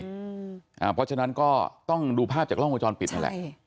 เพราะฉะนั้นก็ต้องดูภาพจากล้องวงจรปิดนั่นแหละ